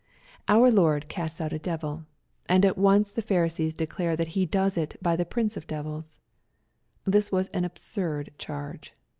Our Lord casts out a devil ; and at once the Pharisees declare that He does it " by the prince of the devils." This was an absurd charge.